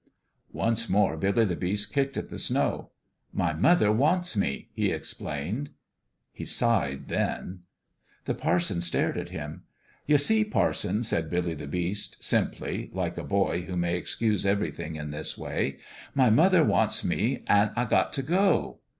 Once more Billy the Beast kicked at the snow. " My mother wants me," he explained. He sighed then. The parson stared at him. " Ye see, parson," said Billy the Beast, simply, like a boy who may excuse everything in this way, " my mother wants me an' I got t' go."